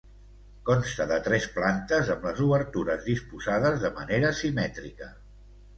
Consta de tres plantes amb les obertures disposades de manera simètrica.